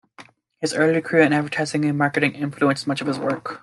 His early career in advertising and marketing influenced much of his work.